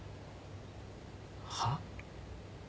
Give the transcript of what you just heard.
はっ？